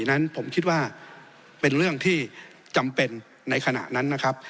นั้นผมคิดว่าเป็นเรื่องที่จำเป็นในขณะนั้นนะครับ